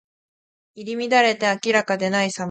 入り乱れて明らかでないさま。